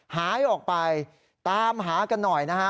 หายออกไปตามหากันหน่อยนะฮะ